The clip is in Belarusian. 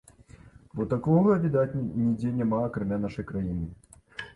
Бо такога, відаць, нідзе няма акрамя нашай краіны.